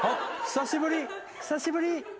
久しぶり」「久しぶり」